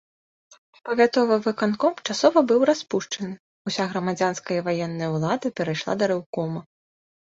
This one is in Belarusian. Павятовы выканком часова быў распушчаны, уся грамадзянская і ваенная ўлада перайшла да рэўкома.